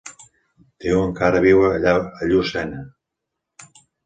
Diuen que ara viu a Llucena.